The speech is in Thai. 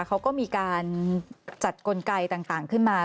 เขาก็มีการจัดกลไกต่างขึ้นมา